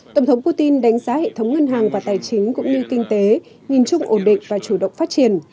tổng thống putin đánh giá hệ thống ngân hàng và tài chính cũng như kinh tế nhìn chung ổn định và chủ động phát triển